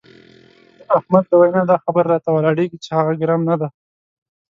د احمد له وینا دا خبره را ولاړېږي چې هغه ګرم نه دی.